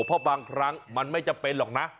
เพราะบางครั้งมันไม่จำเป็นหรอกนะ